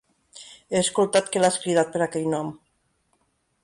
He escoltat que l"has cridat per aquell nom.